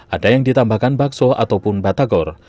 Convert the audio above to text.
ada yang ditambahkan bakso ataupun batagor